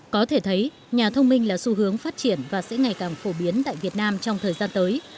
có thể thấy nhà thông minh là xu hướng phát triển và sẽ ngày càng phổ biến tại việt nam trong thời gian tới